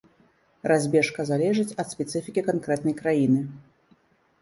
Разбежка залежыць ад спецыфікі канкрэтнай краіны.